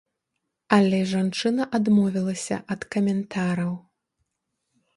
Але жанчына адмовілася ад каментараў.